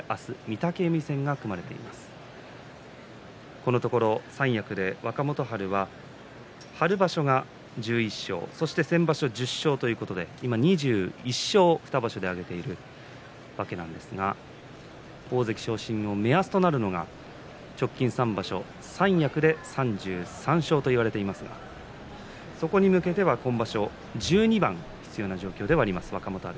このところ三役で若元春は春場所で１１勝先場所、１０勝ということで今、２１勝を２場所で挙げているわけなんですが大関昇進の目安となるのが直近３場所、三役で３３勝といわれていますがそこに向けては今場所１２番必要な状況ではあります、若元春。